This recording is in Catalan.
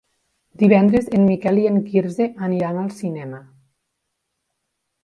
Divendres en Miquel i en Quirze aniran al cinema.